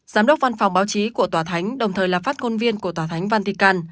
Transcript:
giám đốc văn phòng báo chí của tòa thánh đồng thời là phát ngôn viên của tòa thánh văn thị căn